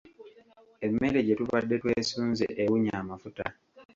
Emmere gye tubadde twesunze ewunya amafuta.